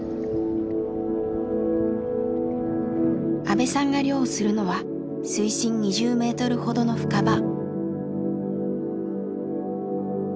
阿部さんが漁をするのは水深２０メートルほどの深場。